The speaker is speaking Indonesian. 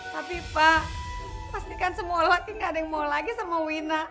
tapi pak pastikan semua latih gak ada yang mau lagi sama wina